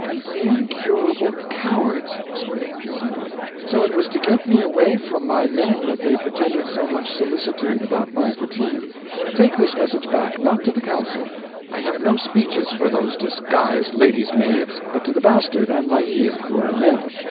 "The incurable cowards!" exclaimed Joan. "So it was to get me away from my men that they pretended so much solicitude about my fatigue. Take this message back, not to the council—I have no speeches for those disguised ladies' maids—but to the Bastard and La Hire, who are men.